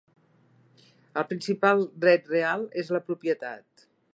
El principal dret real és la propietat.